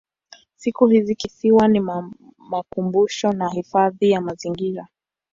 Siku hizi kisiwa ni makumbusho na hifadhi ya mazingira.